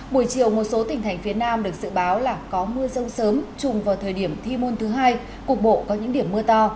buổi chiều một số tỉnh thành phía nam được dự báo là có mưa rông sớm trùng vào thời điểm thi môn thứ hai cục bộ có những điểm mưa to